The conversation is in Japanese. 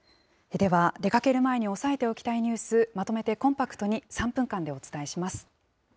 では、出かける前に押さえておきたいニュース、まとめてコンパクトに３分間でお伝えします。